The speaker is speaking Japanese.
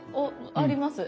あります。